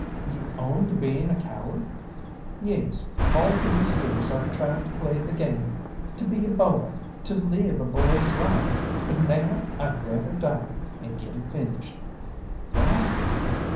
"You own to being a coward?" "Yes. All these years I've tried to play the game, to be a boy, to live a boy's life, but now I'd rather die, and get it finished." "Why?"